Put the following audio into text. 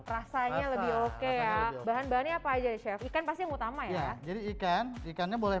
rasanya lebih oke ya bahan bahannya apa aja chef ikan pasti utama ya jadi ikan ikannya boleh